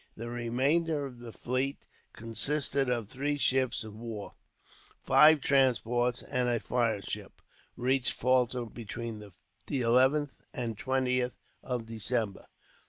The remainder of the fleet, consisting of three ships of war, five transports, and a fire ship, reached Falta between the 11th and 20th of December.